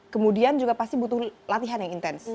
kemudian juga pasti butuh latihan yang intens